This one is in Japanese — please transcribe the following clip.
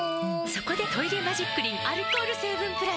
そこで「トイレマジックリン」アルコール成分プラス！